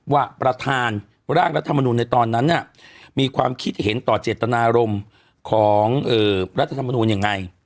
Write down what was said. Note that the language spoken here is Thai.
ว่าประธานร่างรัฐมนุนในตอนนั้นมีความคิดเห็นต่อเจตนารมณ์ของรัฐธรรมนูลยังไง